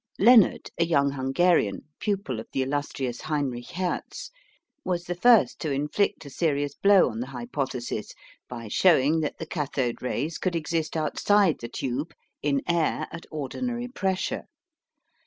Lenard, a young Hungarian, pupil of the illustrious Heinrich Hertz, was the first to inflict a serious blow on the hypothesis, by showing that the cathode rays could exist outside the tube in air at ordinary pressure.